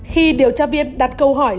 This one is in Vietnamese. khi điều tra viên đặt câu hỏi